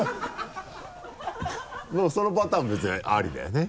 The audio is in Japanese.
でもそのパターン別にありだよね？